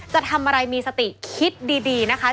จะทำอะไรมีสติคิดดีนะคะ